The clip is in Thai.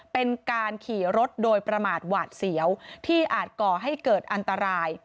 เป็นการขี่รถโดยประมาทหวาดเสียวที่อาจก่อให้เกิดอันตราย